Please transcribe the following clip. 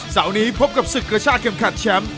เสาร์นี้พบกับศึกกระชากเข็มขัดแชมป์